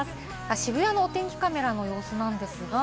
渋谷のお天気カメラの様子なんですが。